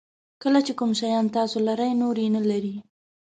کله چې کوم شیان تاسو لرئ نور یې نه لري.